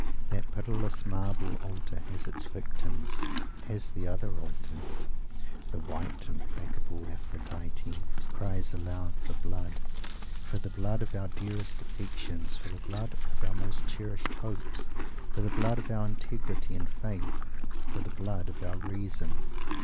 That pitiless marble altar has its victims, as the other Altars. The "white implacable Aphrodite" cries aloud for blood for the blood of our dearest affections; for the blood of our most cherished hopes; for the blood of our integrity and faith; for the blood of our reason.